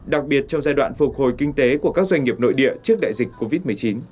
đặc biệt trong giai đoạn phục hồi kinh tế của các doanh nghiệp nội địa trước đại dịch covid một mươi chín